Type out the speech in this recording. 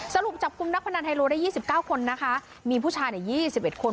สรุปจับคุมนักพนันไฮโลได้ยี่สิบเก้าคนนะคะมีผู้ชายเนี้ยยี่สิบเอ็ดคน